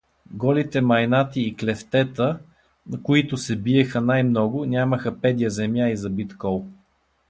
Голите майнати и клефтета, които се биеха най-много, нямаха педя земя и забит кол.